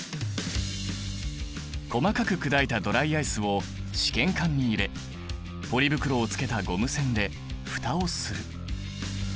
細かく砕いたドライアイスを試験管に入れポリ袋をつけたゴム栓で蓋をする。